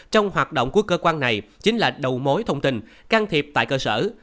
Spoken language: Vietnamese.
trong hoạt động của cơ quan này chính là đầu mối thông tin can thiệp tại cơ sở